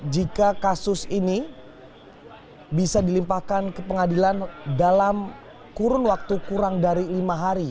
jika kasus ini bisa dilimpahkan ke pengadilan dalam kurun waktu kurang dari lima hari